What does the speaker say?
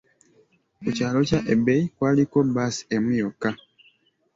Ku kyaalo kya Ebei kwaliko bbaasi emu yokka.